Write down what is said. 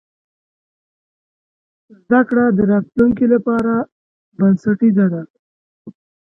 زده کړه د راتلونکي لپاره بنسټیزه ده.